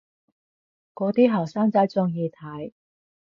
嗰啲後生仔鍾意睇